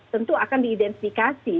tentu akan diidentifikasi